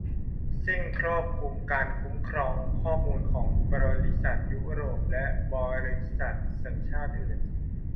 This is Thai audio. ซึ่งครอบคลุมการคุ้มครองข้อมูลของบริษัทยุโรปและบริษัทสัญชาติอื่น